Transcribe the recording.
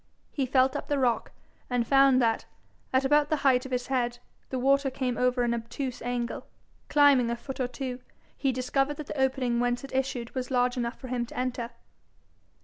He felt up the rock, and found that, at about the height of his head, the water came over an obtuse angle. Climbing a foot or two, he discovered that the opening whence it issued was large enough for him to enter.